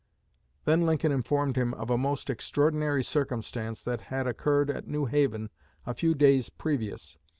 Then Lincoln informed him of a "most extraordinary circumstance" that had occurred at New Haven a few days previous.